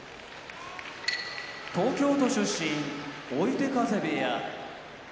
東京都出身追手風部屋